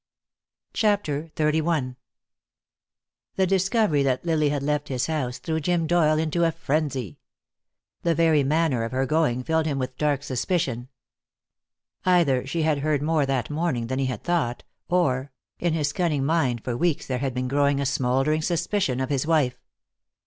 CHAPTER XXXI The discovery that Lily had left his house threw Jim Doyle into a frenzy. The very manner of her going filled him with dark suspicion. Either she had heard more that morning than he had thought, or In his cunning mind for weeks there had been growing a smoldering suspicion of his wife.